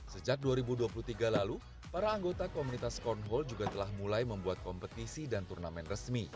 sejak dua ribu dua puluh tiga lalu para anggota komunitas cornhole juga telah mulai membuat kompetisi dan turnamannya